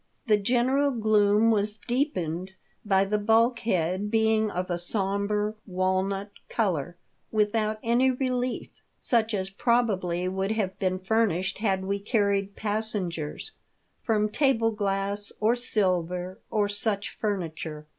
The general gloom was deepened by the bulkhead being of a sombre, walnut colour, without any relief — such as probably would have been furnished had we carried passengers — from table glass, or silver, or such furniture.